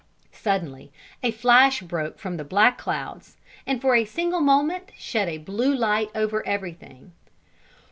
Suddenly, a flash broke from the black clouds, and for a single moment shed a blue light over everything.